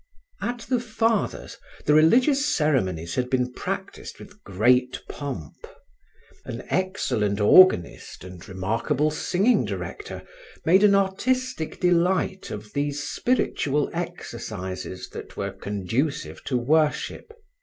At the Fathers, the religious ceremonies had been practiced with great pomp. An excellent organist and remarkable singing director made an artistic delight of these spiritual exercises that were conducive to worship.